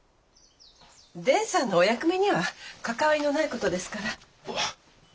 伝さんのお役目には関わりのない事ですから。